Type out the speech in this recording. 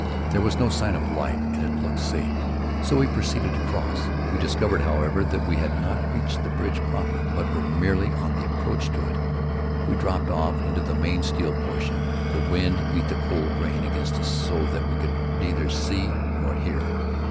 There was no sign of life and it looked safe, so we proceeded to cross. We discovered, however, that we had not reached the bridge proper, but were merely on the approach to it. We dropped off onto the main steel portion. The wind beat the cold rain against us so that we could neither see nor hear.